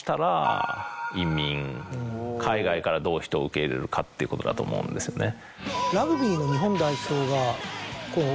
海外からどう人を受け入れるかっていうことだと思うんですよね。